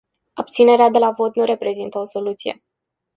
Abținerea de la vot nu reprezintă o soluție.